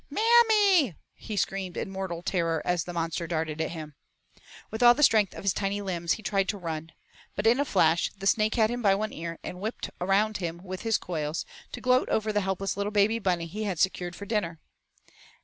"Mammy," he screamed in mortal terror as the monster darted at him. With all the strength of his tiny limbs he tried to run. But in a flash the Snake had him by one ear and whipped around him with his coils to gloat over the helpless little baby bunny he had secured for dinner.